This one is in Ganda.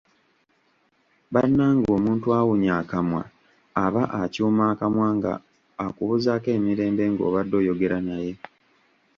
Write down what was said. Bannange omuntu awunnya akamwa oba acuuma akamwa nga okubuuzaako emirembe ng'obade oyogera naye!